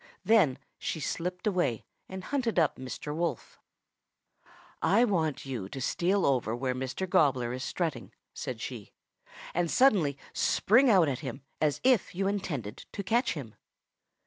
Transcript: Then she slipped away and hunted up Mr. Wolf. "'I want you to steal over where Mr. Gobbler is strutting,' said she, 'and suddenly spring out at him as if you intended to catch him.'